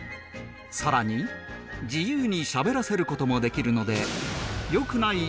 さらに自由にしゃべらせる事もできるので良くない